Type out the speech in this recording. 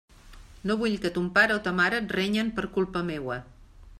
No vull que ton pare o ta mare et renyen per culpa meua.